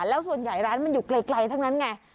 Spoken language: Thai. แล้วส่วนใหญ่ร้านมันอยู่ไกลทั้งนั้นไง